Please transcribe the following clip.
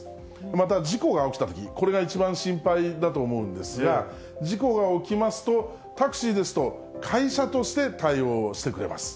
また事故が起きたとき、これが一番心配だと思うんですが、事故が起きますと、タクシーですと会社として対応してくれます。